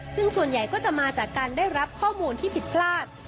ซึ่งส่วนใหญ่ก็จะมาจากการได้รับข้อมูลที่ผิดพลาด